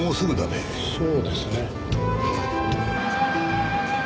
そうですね。